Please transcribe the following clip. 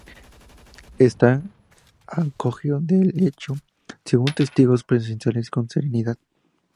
Ésta acogió el hecho, según testigos presenciales, con serenidad.